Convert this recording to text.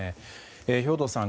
兵頭さん